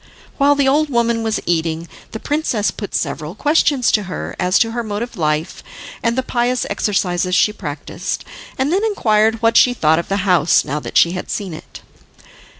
While the old woman was eating, the princess put several questions to her as to her mode of life, and the pious exercises she practiced, and then inquired what she thought of the house now that she had seen it.